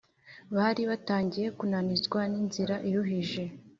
bari batangiye kunanizwa n’inzira iruhije